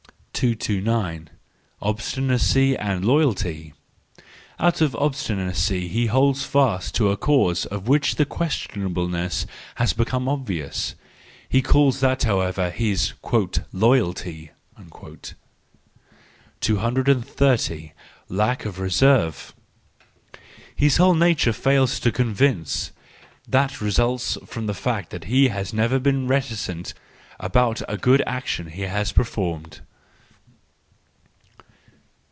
229. Obstinacy and Loyalty .—Out of obstinacy he holds fast to a cause of which the questionableness has become obvious,—he calls that, however, his " loyalty" 230. Lack of Reserve .—His whole nature fails to convince —that results from the fact that he has never been reticent about a good action he has performed.